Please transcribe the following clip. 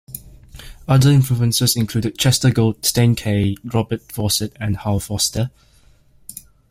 Other influences included Chester Gould, Stan Kaye, Robert Fawcett and Hal Foster.